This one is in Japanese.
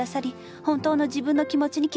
本当の自分の気持ちに気付いたんです。